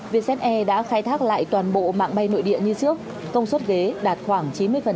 vietjet air đã khai thác lại toàn bộ mạng bay nội địa như trước công suất ghế đạt khoảng chín mươi